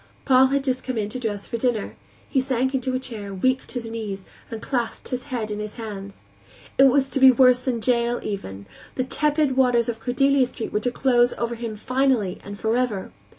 Paul had just come in to dress for dinner; he sank into a chair, weak to the knees, and clasped his head in his hands. It was to be worse than jail, even; the tepid waters of Cordelia Street were to close over him finally and forever.